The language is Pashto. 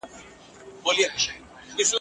او واه واه به ورته ووایي !.